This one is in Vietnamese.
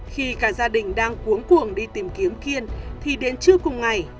khi cả gia đình đang cuốn cuồng đi tìm kiếm kiên thì đến trưa cùng ngày